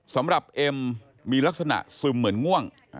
สำหรับเอ็มมีลักษณะซึมเหมือนง่วง